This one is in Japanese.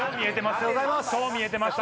そう見えてます。